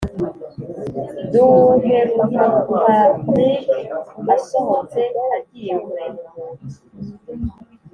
duheruka fabric asohotse agihe kureba umuntu